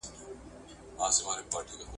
کتاب لوستل ذهن قوي کوي.